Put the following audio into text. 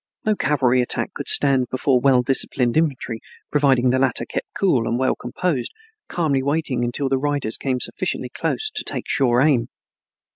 No cavalry attack could stand before well disciplined infantry, providing the latter keep cool and well composed, calmly waiting until the riders come sufficiently close to take sure aim.